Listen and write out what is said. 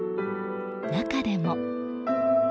中でも。